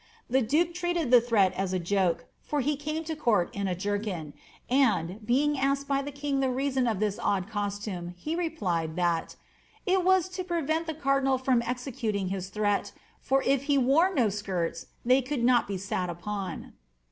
'' The duke treated the threat as a joke, for he came to court in a jerkin, and, being asked by the king the reason of this odd costume, he replied, that ^ it was to prevent the cardinal from executing his threat, for if he wore no skirts they could not be sat upon."